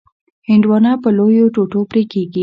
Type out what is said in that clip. هندوانه په لویو ټوټو پرې کېږي.